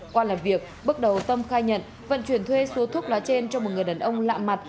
qua làm việc bước đầu tâm khai nhận vận chuyển thuê số thuốc lá trên cho một người đàn ông lạ mặt